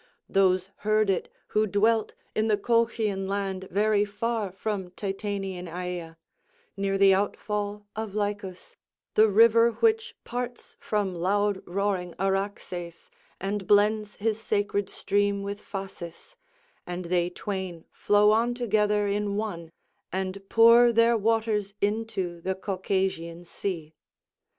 Those heard it who dwelt in the Colchian land very far from Titanian Aea, near the outfall of Lycus, the river which parts from loud roaring Araxes and blends his sacred stream with Phasis, and they twain flow on together in one and pour their waters into the Caucasian Sea.